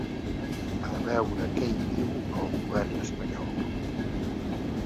A veure què hi diu el govern espanyol.